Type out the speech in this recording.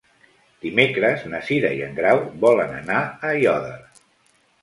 Dimecres na Cira i en Grau volen anar a Aiòder.